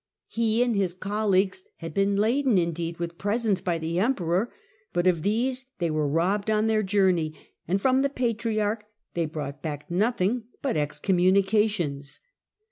He and his colleagues had been laden, indeed, with presents by the emperor, but of these they were robbed on their journey, and from the patriarch they brought back nothing but excommunications.